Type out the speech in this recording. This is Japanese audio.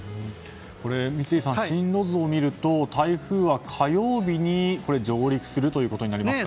三井さん、進路図を見ると台風は火曜日に上陸するということになりますか。